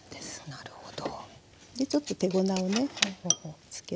なるほど。